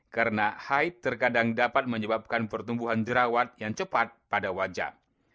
karena haid terkadang dapat menyebabkan pertumbuhan jerawat yang cepat pada wajah